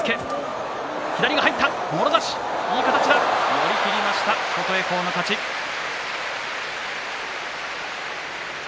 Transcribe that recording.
寄り切りました琴恵光の勝ちです。